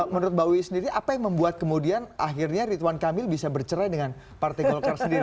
menurut mbak wiwi sendiri apa yang membuat kemudian akhirnya ridwan kamil bisa bercerai dengan partai golkar sendiri